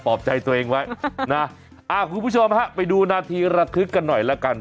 อบใจตัวเองไว้นะอ่าคุณผู้ชมฮะไปดูนาทีระทึกกันหน่อยละกัน